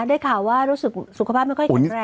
ได้ข่าวว่ารู้สึกสุขภาพไม่ค่อยแข็งแรง